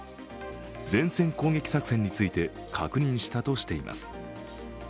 前線攻撃作戦計画について確認したとしています。